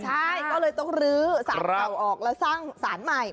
ใช่ก็เลยต้องลื้อสารเก่าออกแล้วสร้างสารใหม่